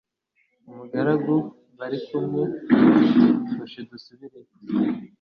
umugaragu bari kumwe ati hoshi dusubireyo